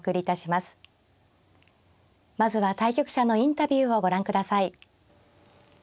まずは対局者のインタビューをご覧ください。